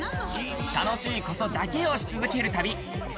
楽しいことだけをし続ける旅。